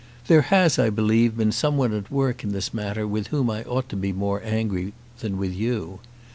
There has, I believe, been someone at work in the matter with whom I ought to be more angry than with you.